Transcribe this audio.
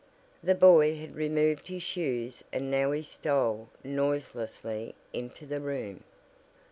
The boy had removed his shoes and now he stole noiselessly into the room.